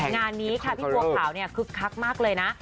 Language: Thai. งานนี้ค่ะพี่บัวขาวคือคักมากเลยนะ